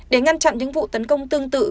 để ngăn chặn những vụ tấn công tương tự